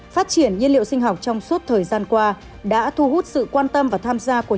phát triển nhân liệu sinh học trong suốt thời gian qua đã thu hút sự quan tâm và tham gia của